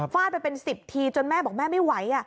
ไปเป็น๑๐ทีจนแม่บอกแม่ไม่ไหว